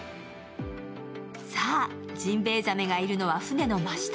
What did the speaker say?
さあ、ジンベエザメがいるのは船の真下。